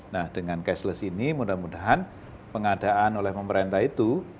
nah dengan cashless ini mudah mudahan pengadaan oleh pemerintah itu